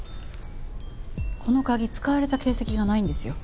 この鍵使われた形跡がないんですよ。